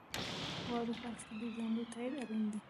واورئ برخه کې د جملو تایید اړین دی.